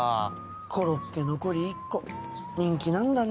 コロッケ残り１個人気なんだねぇ。